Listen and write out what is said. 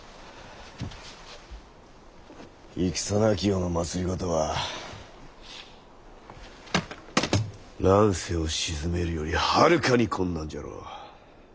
戦なき世の政は乱世を鎮めるよりはるかに困難じゃろう。